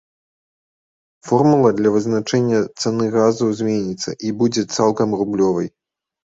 Формула для вызначэння цаны газу зменіцца і будзе цалкам рублёвай.